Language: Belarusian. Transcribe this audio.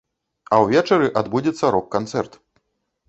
А ўвечары адбудзецца рок-канцэрт.